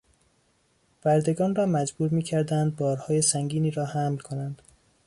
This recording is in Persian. بردگان را مجبور میکردند بارهای سنگینی را حمل کنند.